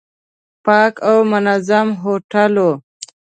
پاک او منظم هوټل و.